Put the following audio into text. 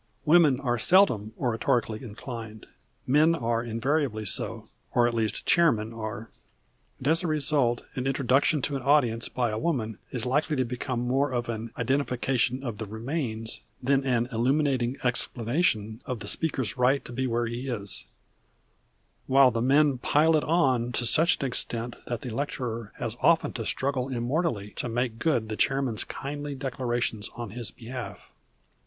Women are seldom oratorically inclined. Men are invariably so or at least chairmen are. And as a result an introduction to an audience by a woman is likely to become more of an "identification of the remains" than an illuminating explanation of the speaker's right to be where he is; while the men "pile it on" to such an extent that the lecturer has often to struggle immortally to make good the chairman's kindly declarations on his behalf.